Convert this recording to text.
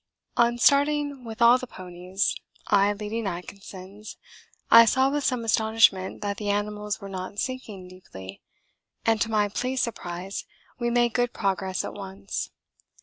On starting with all the ponies (I leading Atkinson's) I saw with some astonishment that the animals were not sinking deeply, and to my pleased surprise we made good progress at once.